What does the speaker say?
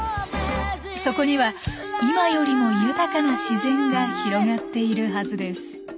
そこには今よりも豊かな自然が広がっているはずです。